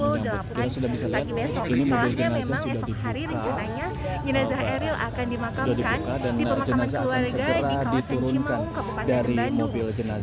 soalnya memang esok hari rencananya jenazah eril akan dimakamkan di pemakaman keluarga di kawasan cimau kebupatannya bandung